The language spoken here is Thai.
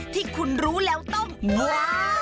ที่คุณรู้แล้วต้องมา